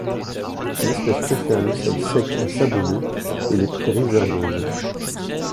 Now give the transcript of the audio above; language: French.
L'espèce préfère les sols secs et sablonneux et les prairies herbeuses.